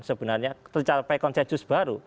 sebenarnya tercapai konsensus baru